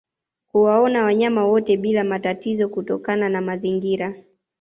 Kuwaona wanyama wote bila matatizo kutokana na mazingira